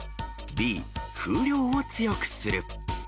Ｂ、風量を強くする。